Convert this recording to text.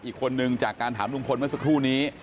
อีกคนนึงจากการถามลุงพลเมื่อสักครู่นี้